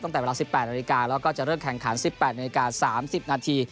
ตั้งแต่เวลา๑๘นาฬิกาแล้วก็จะเริ่มแข่งขัน๑๘นาที๓๐นาที